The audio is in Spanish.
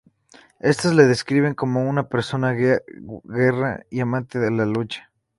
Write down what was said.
Estas la describen como una persona guerra y amante de la lucha.